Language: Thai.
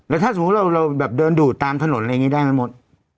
แล้วถ้าสมมติเราแบบเดินดูดตามถนนอะไรงี้ได้มันหมด